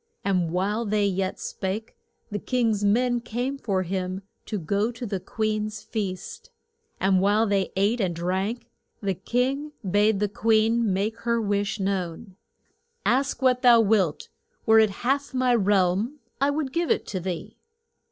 And while they yet spake the king's men came for him to go to the queen's feast. And while they ate and drank, the king bade the queen make known her wish. Ask what thou wilt; were it half my realm, I would give it to thee.